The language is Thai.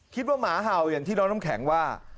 คิดว่าหมาห่าวอย่างที่น้องน้ำแข็งว่า